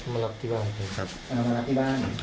มารับที่บ้าน